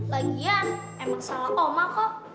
lagian emang salah toma kok